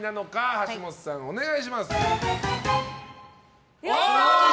橋本さん、お願いします。